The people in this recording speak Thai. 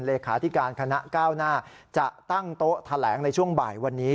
เลขาธิการคณะก้าวหน้าจะตั้งโต๊ะแถลงในช่วงบ่ายวันนี้